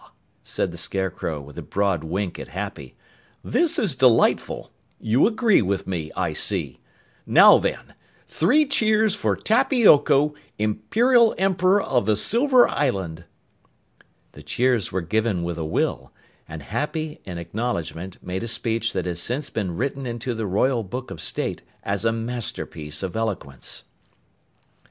said the Scarecrow with a broad wink at Happy. "This is delightful. You agree with me, I see. Now then, three cheers for Tappy Oko, Imperial Emperor of the Silver Island." The cheers were given with a will, and Happy in acknowledgement made a speech that has since been written into the Royal Book of state as a masterpiece of eloquence.